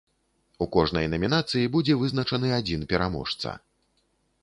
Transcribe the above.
У кожнай намінацыі будзе вызначаны адзін пераможца.